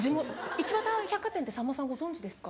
一畑百貨店ってさんまさんご存じですか？